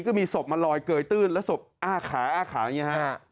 ก็มีศพมาลอยเกยตื้นแล้วศพอ้าขาอ้าขาอย่างนี้ฮะ